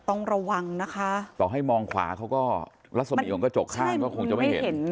ต้องระวังนะคะต่อให้มองขวาเขาก็รัศมีของกระจกข้างก็คงจะไม่เห็น